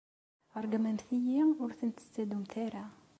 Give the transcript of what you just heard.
Ṛeggmemt-iyi ur ten-tettadumt ara.